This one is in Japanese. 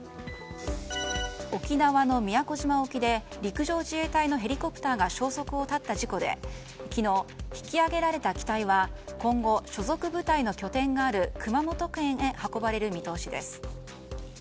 沖縄の宮古島沖で陸上自衛隊のヘリコプターが消息を絶った事故で昨日、引き揚げられた機体は今後、所属部隊の拠点がある熊本県へ運ばれる見通しです。